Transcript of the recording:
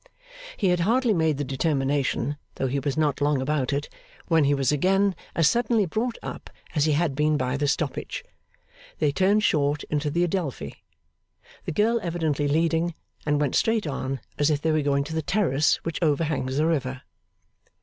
He had hardly made the determination (though he was not long about it), when he was again as suddenly brought up as he had been by the stoppage. They turned short into the Adelphi, the girl evidently leading, and went straight on, as if they were going to the Terrace which overhangs the river.